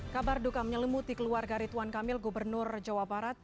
kabar duka menyelimuti keluarga rituan kamil gubernur jawa barat